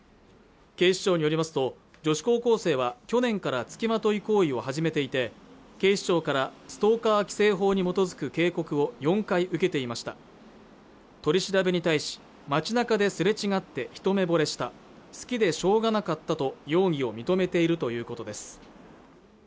警視庁によりますと女子高校生は去年からつきまとい行為を始めていて警視庁からストーカー規制法に基づく警告を４回受けていました取り調べに対し街中ですれ違って一目ぼれした好きでしょうがなかったと容疑を認めているということです